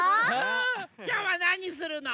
きょうはなにするの？